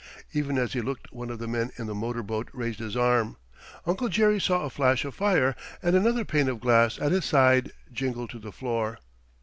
Even as he looked one of the men in the motor boat raised his arm: Uncle Jerry saw a flash of fire, and another pane of glass at his side jingled to the floor.